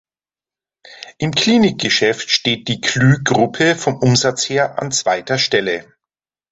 Im Klinik-Geschäft steht die Klüh-Gruppe vom Umsatz her an zweiter Stelle.